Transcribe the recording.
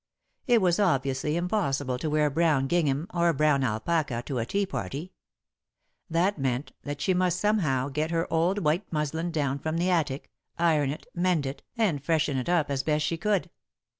It was obviously impossible to wear brown gingham or brown alpaca to a tea party. That meant that she must somehow get her old white muslin down from the attic, iron it, mend it, and freshen it up as best she could.